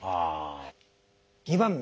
２番目。